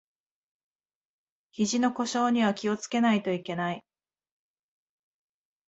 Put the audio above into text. ひじの故障には気をつけないといけない